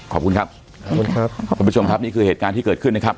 ขอบคุณครับขอบคุณครับขอบคุณครับนี่คือเหตุการณ์ที่เกิดขึ้นนะครับ